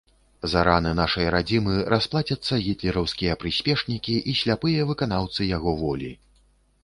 За раны нашай радзімы расплацяцца гітлераўскія прыспешнікі і сляпыя выканаўцы яго волі.